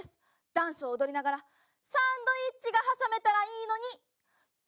ダンスを踊りながらサンドイッチが挟めたらいいのにと。